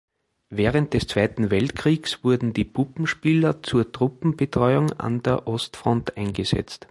Während des Zweiten Weltkrieges wurden die Puppenspieler zur Truppenbetreuung an der Ostfront eingesetzt.